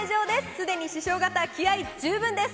すでに師匠方、気合い十分です。